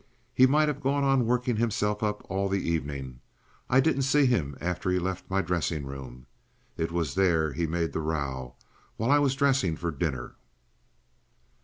He might have gone on working himself up all the evening. I didn't see him after he left my dressing room. It was there he made the row while I was dressing for dinner."